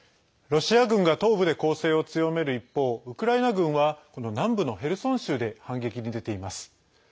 ロシア軍が東部で攻勢を強める一方ウクライナ軍は南部のヘルソン州で反撃に出ています。